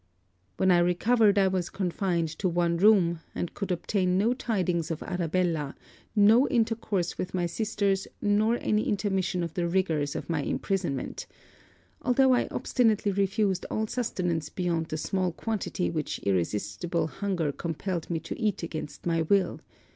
'When I recovered I was confined to one room, and could obtain no tidings of Arabella, no intercourse with my sisters nor any intermission of the rigours of my imprisonment: although I obstinately refused all sustenance beyond the small quantity which irresistible hunger compelled me to eat against my will.